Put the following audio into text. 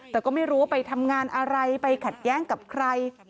แต่ก็ไม่รู้ว่าไปทำงานอะไรไปขัดแย้งกับใคร